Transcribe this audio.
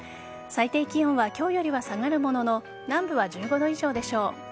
最低気温は今日よりは下がるものの南部は１５度以上でしょう。